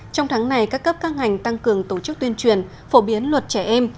trong tháng này các cấp các ngành tăng cường tổ chức tuyên truyền phổ biến luật trẻ em